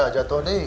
uh udah sakit kepala